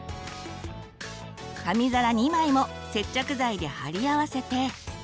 紙皿２枚も接着剤で貼り合わせて。